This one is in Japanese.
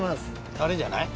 あれじゃない？